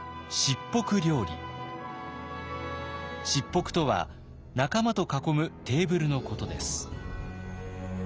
卓袱とは仲間と囲むテーブルのことです。